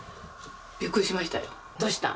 びっくりしましたよ、どうしたん？